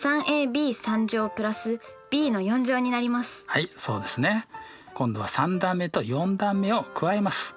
はいそうですね。今度は３段目と４段目を加えます。